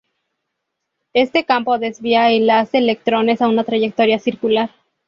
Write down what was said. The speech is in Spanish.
Este campo desvía el haz de electrones a una trayectoria circular.